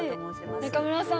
中村さん。